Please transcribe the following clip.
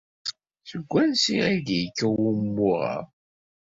Seg wansi ay as-d-yekka wumuɣ-a?